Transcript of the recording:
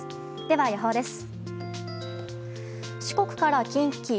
では、予報です。